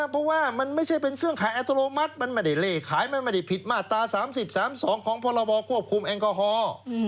เพราะว่ามันไม่ใช่เป็นเครื่องขายอัตโนมัติมันไม่ได้เล่ขายมันไม่ได้ผิดมาตรา๓๐๓๒ของพรบควบคุมแอลกอฮอล์